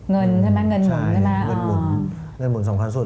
เงินเหมือนสำคัญสุด